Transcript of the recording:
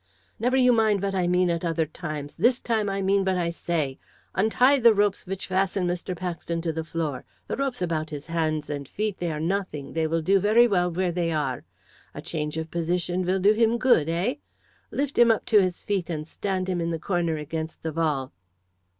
"Never you mind what I mean at other times this time I mean what I say. Untie the ropes which fasten Mr. Paxton to the floor the ropes about his hands and his feet, they are nothing, they will do very well where they are. A change of position will do him good eh? Lift him up on to his feet, and stand him in the corner against the wall."